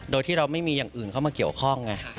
โดยที่เราไม่มีอย่างอื่นเข้ามาเกี่ยวข้องไง